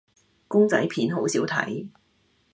公仔片好少睇